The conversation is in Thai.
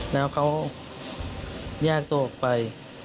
แล้วเขาแยกตัวออกไป